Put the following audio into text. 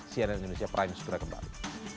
cnn indonesia prime segera kembali